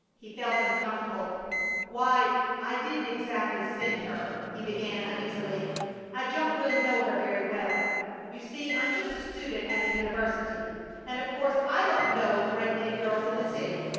He felt uncomfortable. "Why, I didn't exactly send her," he began, uneasily. "I don't really know her very well. You see, I'm just a student at the university and of course I don't know a great many girls in the city.